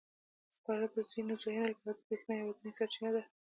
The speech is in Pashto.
سکاره د ځینو ځایونو لپاره د برېښنا یوازینی سرچینه ده.